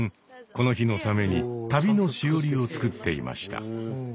この日のために旅のしおりを作っていました。